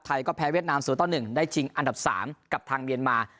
ไทยก็แพ้เวียดนาม๐๑ได้ชิงอันดับ๓กับทางเมียนมา